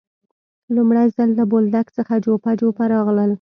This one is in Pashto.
لومړی ځل له بولدک څخه جوپه جوپه راغلل.